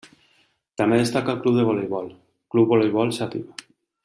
També destaca el club de voleibol, Club Voleibol Xàtiva.